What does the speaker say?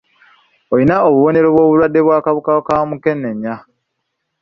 Olina obubonero bw'obulwadde obw'akawuka ka mukenenya.